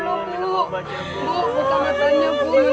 bu buka matanya